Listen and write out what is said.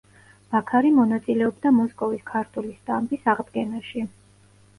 ბაქარი მონაწილეობდა მოსკოვის ქართული სტამბის აღდგენაში.